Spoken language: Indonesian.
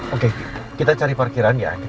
oke kita cari parkiran ya